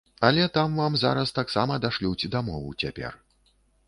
Але там вам зараз таксама дашлюць дамову цяпер.